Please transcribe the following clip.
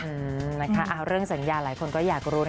อืมนะคะเรื่องสัญญาหลายคนก็อยากรู้นะคะ